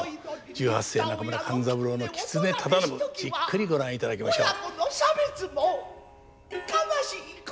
十八世中村勘三郎の狐忠信じっくりご覧いただきましょう。